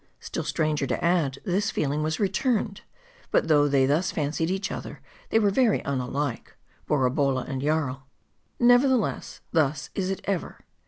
Still stranger to add, this feeling was returned. But though they thus fancied each other, they were very unlike ; Bora bolla and Jarl. Nevertheless, thus is it ever.